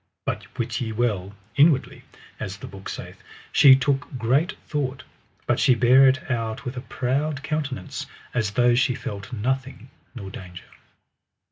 But wit ye well, inwardly, as the book saith, she took great thought, but she bare it out with a proud countenance as though she felt nothing nor danger.